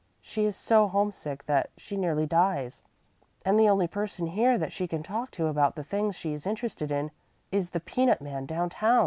She is so homesick that she nearly dies, and the only person here that she can talk to about the things she is interested in is the peanut man down town.